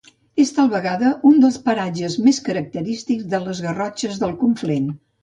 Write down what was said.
És tal vegada un dels paratges més característics de les Garrotxes del Conflent.